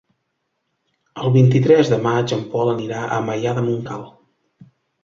El vint-i-tres de maig en Pol anirà a Maià de Montcal.